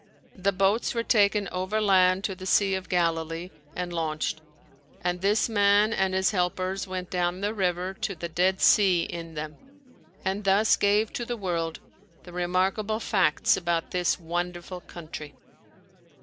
The boats were taken overland to the Sea of Galilee and launched and this man and his helpers went down the river to the Dead Sea in them, and thus gave to the world the remarkable facts about this wonderful country.